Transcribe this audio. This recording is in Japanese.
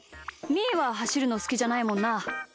みーははしるのすきじゃないもんな。